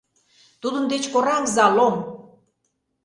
— Тудын деч кораҥза, Лом!